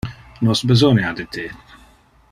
Nos besonia de te.